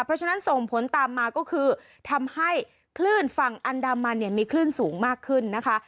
เพราะฉะนั้นส่งผลตามมาก็คือทำให้คลื่นฝั่งอันดามันเนี่ยมีคลื่นสูงมากขึ้นนะคะ